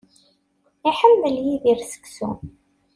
Iḥemmel Yidir seksu.